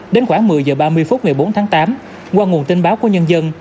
đến khoảng một mươi h ba mươi phút ngày bốn tháng tám qua nguồn tin báo của nhân dân